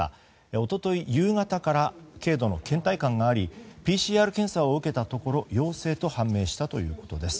一昨日夕方から軽度の倦怠感がありＰＣＲ検査を受けたところ陽性と判明したということです。